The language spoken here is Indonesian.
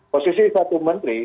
posisi satu menteri